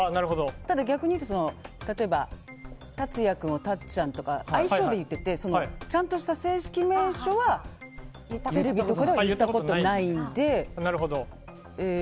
ただ、逆に言うとタツヤ君をタッちゃんとか愛称で言っていてちゃんとした正式名称はテレビとかでは言ったことないので。